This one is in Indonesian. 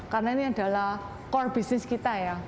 karena ini adalah core business kita ya